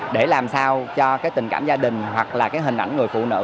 để làm sao cho tình cảm gia đình hoặc là hình ảnh người phụ nữ